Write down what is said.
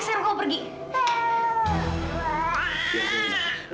sekarang kamu menangis karena kamu tidak nyaman